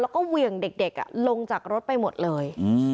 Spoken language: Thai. แล้วก็เหวี่ยงเด็กลงจากรถไปหมดเลย